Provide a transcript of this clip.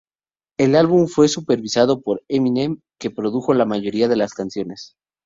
El álbum fue supervisado por Eminem, que produjo la mayoría de las canciones.